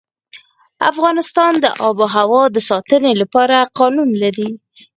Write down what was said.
افغانستان د آب وهوا د ساتنې لپاره قوانین لري.